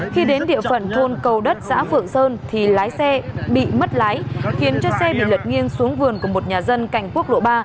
khi đến địa phận thôn cầu đất xã phượng sơn thì lái xe bị mất lái khiến cho xe bị lật nghiêng xuống vườn của một nhà dân cành quốc lộ ba